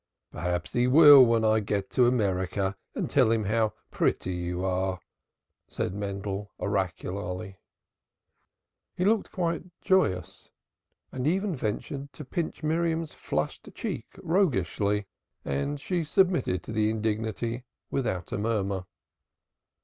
"Perhaps he will when I get to America and tell him how pretty you are," said Mendel oracularly. He looked quite joyous and even ventured to pinch Miriam's flushed cheek roguishly, and she submitted to the indignity without a murmur.